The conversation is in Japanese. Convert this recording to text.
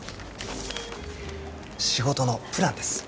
仕事のプランです